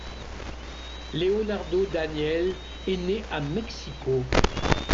Leonardo Daniel est né à Mexico.